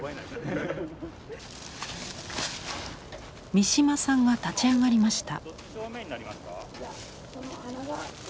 三島さんが立ち上がりました。